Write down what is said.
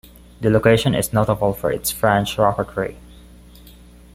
The location is notable for its role in French rocketry.